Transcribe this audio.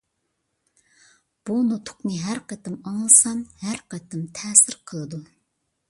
بۇ نۇتۇقنى ھەر قېتىم ئاڭلىسام ھەر قېتىم تەسىر قىلىدۇ.